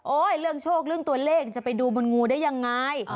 เรื่องโชคเรื่องตัวเลขจะไปดูบนงูได้ยังไง